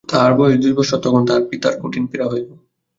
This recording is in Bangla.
তাহার বয়স যখন দুই বৎসর তখন তাহার পিতার কঠিন পীড়া হইল।